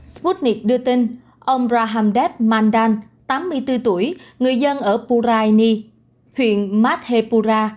sputnik đưa tin ông rahamdev mandan tám mươi bốn tuổi người dân ở puraini huyện madhepura